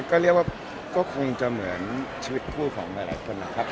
ก็เรียกว่าก็คงจะเหมือนชีวิตคู่ของหลายคนนะครับ